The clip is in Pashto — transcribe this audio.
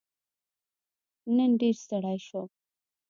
نن ډېر ستړی شوم